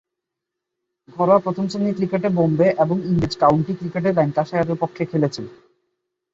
ঘরোয়া প্রথম-শ্রেণীর ক্রিকেটে বোম্বে ও ইংরেজ কাউন্টি ক্রিকেটে ল্যাঙ্কাশায়ারের পক্ষে খেলেছেন।